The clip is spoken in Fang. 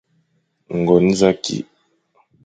Ngon za ki,